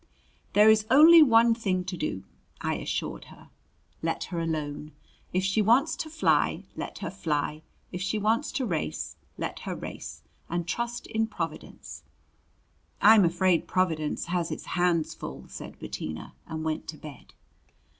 "There is only one thing to do," I assured her "let her alone. If she wants to fly, let her fly; if she wants to race, let her race and trust in Providence." "I'm afraid Providence has its hands full!" said Bettina, and went to bed.